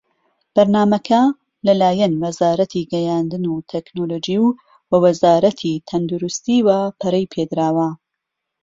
بەرنامەکە لە لایەن وەزارەتی گەیاندن وتەکنەلۆجی و وە وەزارەتی تەندروستییەوە پەرەی پێدراوە.